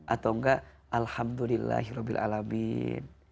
atau gak alhamdulillahirrohbilalamin